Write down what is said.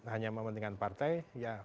hanya mementingkan partai